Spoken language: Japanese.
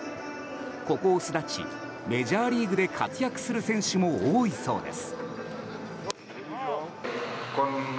ここを巣立ち、メジャーリーグで活躍する選手も多いそうです。